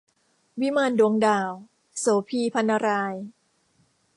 วิมานดวงดาว - โสภี พรรณราย